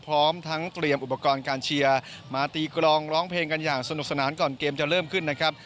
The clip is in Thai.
พร้อมทั้งเตรียมอุปกรณ์การเชียร์มาตีกรองร้องเพลงกันอย่างสนุกสนานก่อนเกมจะเริ่มขึ้นนะครับ